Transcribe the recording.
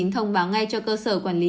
thông báo ngay cho cơ sở quản lý